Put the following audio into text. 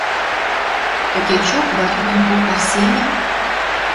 Тӹ кечок Ватю дон поп Арсеньӹм